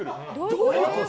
どういうこと？